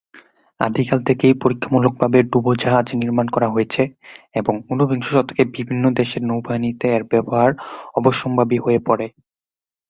আদিকাল থেকেই পরীক্ষামূলকভাবে ডুবোজাহাজ নির্মাণ করা হয়েছে এবং ঊনবিংশ শতকে বিভিন্ন দেশের নৌবাহিনীতে এর ব্যবহার অবশ্যম্ভাবী হয়ে পড়ে।